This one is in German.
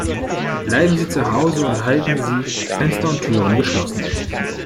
Bleiben Sie zu Hause und halten Sie Fenster und Türen geschlossen.